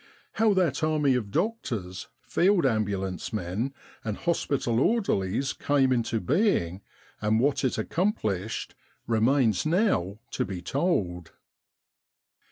How that army of doctors, field ambulance men, and hospital orderlies came into being and what it accomplished, remains now to be told.